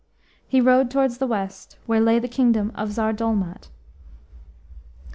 He rode towards the west, where lay the kingdom of Tsar Dolmat.